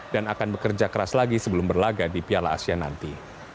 dan akan bekerja keras lagi sebelum berlagak di piala asia nanti